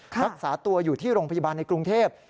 รักษาตัวอยู่ที่โรงพยาบาลในกรุงเทพ